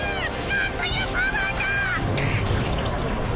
なんというパワーだ！